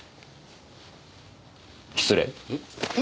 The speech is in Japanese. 失礼。